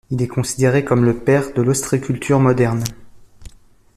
Il est considéré comme le père de l'ostréiculture moderne.